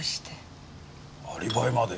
アリバイまで？